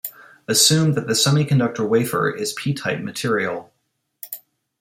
Assume that the semiconductor wafer is p-type material.